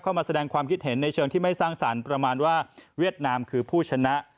เข้ามาแสดงความคิดเห็นในเชิงที่ไม่สร้างสรรค์ประมาณว่าเวียดนามคือผู้ชนะ